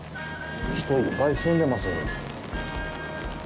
人いっぱい住んでます。